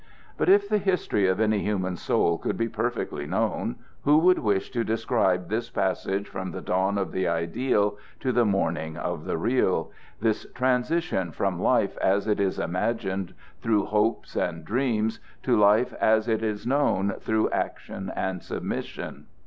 But if the history of any human soul could be perfectly known, who would wish to describe this passage from the dawn of the ideal to the morning of the real this transition from life as it is imagined through hopes and dreams to life as it is known through action and submission?